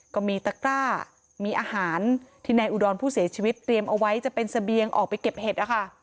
ก็มีตะกร้ามีอาหารที่นายอุดรผู้เสียชีวิตเตรียมเอาไว้จะเป็นเสบียงออกไปเก็บเห็ดนะคะ